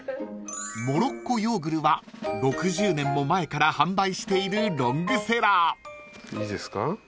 ［モロッコヨーグルは６０年も前から販売しているロングセラー］いいですか？